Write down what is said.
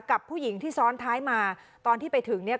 กับผู้หญิงที่ซ้อนท้ายมาตอนที่ไปถึงเนี่ย